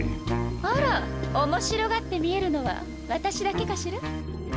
あら面白がって見えるのは私だけかしら？